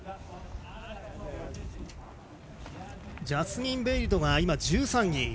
ジャスミン・ベイルドが１３位。